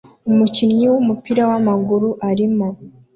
Umukinnyi wumupira wamaguru arimo